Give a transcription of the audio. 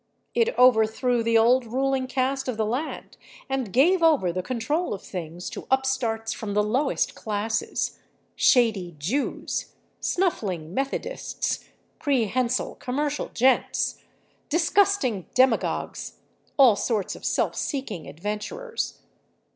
It overthrew the old ruling caste of the land and gave over the control of things to upstarts from the lowest classes—shady Jews, snuffling Methodists, prehensile commercial gents, disgusting demagogues, all sorts of self seeking adventurers.